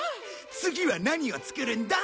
次は何を作るんだ？